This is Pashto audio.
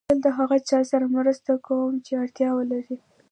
تل د هغه چا سره مرسته کوم چې اړتیا ولري.